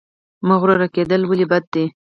مغرور کیدل ولې بد دي؟